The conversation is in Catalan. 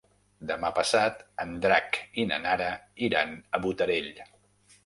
Demà passat en Drac i na Nara iran a Botarell.